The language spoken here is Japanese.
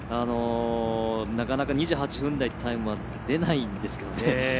なかなか、２８分台というタイム出ないんですけどね。